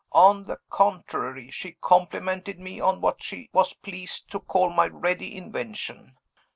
On the contrary, she complimented me on what she was pleased to call my ready invention.